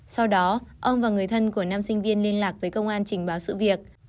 sau đó ông và người thân của nam sinh viên liên lạc với công an trình báo sự việc